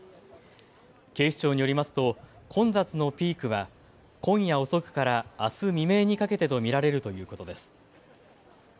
警視庁によりますと混雑のピークは今夜遅くからあす未明にかけてと見られるということです。